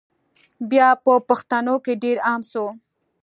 بیا په پښتنو کي ډېر عام سو